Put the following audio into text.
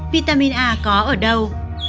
vitamin a có ở đâu